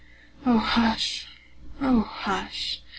O hush, O hush!